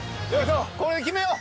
これで決めよう。